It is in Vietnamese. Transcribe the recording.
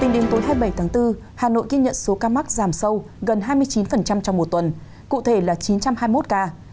hà nội ghi nhận số ca mắc giảm sâu gần hai mươi chín trong một tuần cụ thể là chín trăm hai mươi một ca